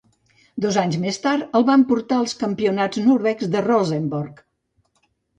Dos anys més tard el van portar als campionats noruecs de Rosenborg.